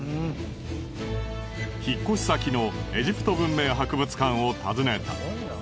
引っ越し先のエジプト文明博物館を訪ねた。